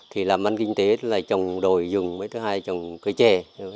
thì làm ăn kinh tế chồng đổi dùng chồng cưới chè